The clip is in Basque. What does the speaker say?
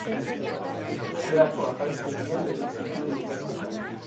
Tuterako apaiztegian egin zituen ikasketak.